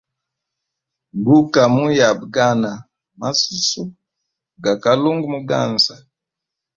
Guka muyabagana masusu ga kalunga muganza.